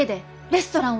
レストラン？